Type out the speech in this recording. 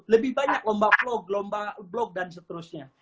lebih banyak lomba vlog lomba blog dan seterusnya